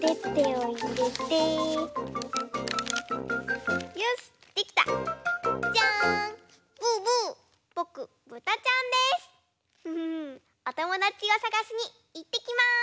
おともだちをさがしにいってきます！